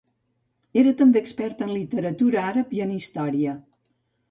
Era també expert en literatura àrab i en història.